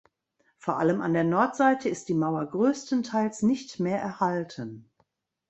Vor allem an der Nordseite ist die Mauer größtenteils nicht mehr erhalten.